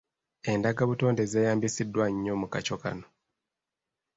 Enddagabutonde zeeyambisiddwa nnyo mu kakyo kano.